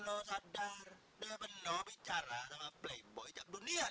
ayam ayam adik suka sama ayam kan